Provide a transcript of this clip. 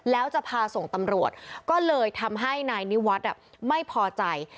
แล้วจะพาส่งตำรวจก็เลยทำให้นายนิวัฒน์ไม่พอใจ